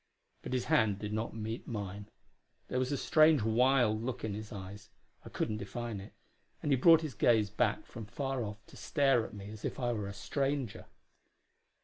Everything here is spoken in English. But his hand did not meet mine. There was a strange, wild look in his eyes I couldn't define it and he brought his gaze back from far off to stare at me as if I were a stranger.